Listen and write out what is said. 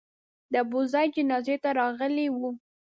د ابوزید جنازې ته راغلي وو.